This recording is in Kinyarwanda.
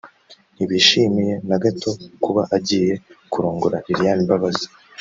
ntibishimiye na gato kuba agiye kurongora Lilian Mbabazi